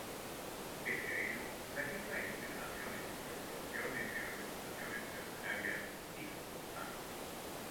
Pese a ello, la guerra entre naciones, corporaciones y organizaciones mercenarias es constante.